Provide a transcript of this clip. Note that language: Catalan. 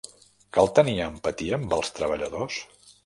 Cal tenir empatia amb els treballadors.